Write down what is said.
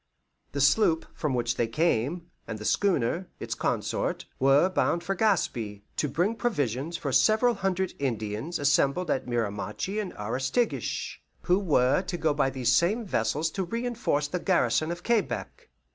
The sloop from which they came, and the schooner, its consort, were bound for Gaspe, to bring provisions for several hundred Indians assembled at Miramichi and Aristiguish, who were to go by these same vessels to re enforce the garrison of Quebec.